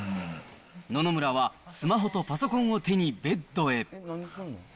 野々村はスマホとパソコンを手にベッドへ。